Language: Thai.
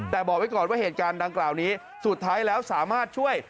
แต่บอกไว้ก่อนว่าเหตุการณ์ดังกล่าวนี้สุดท้ายแล้วสามารถช่วย